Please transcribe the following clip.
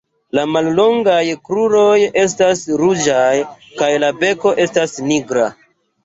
La mallongaj kruroj estas ruĝaj kaj la beko estas nigra.